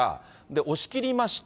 押し切りました。